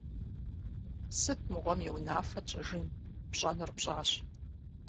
Сыт мыгъуэм и унафэ тщӏыжын? Пщӏэнур пщӏащ.